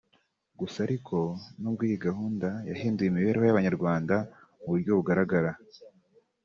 Gusa ariko nubwo iyi gahunda yahinduye imibereho y’Abanyarwanda mu buryo bugaragara